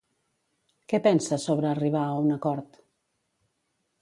Què pensa sobre arribar a un acord?